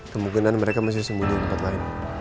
kemungkinan mereka masih sembuh di tempat lain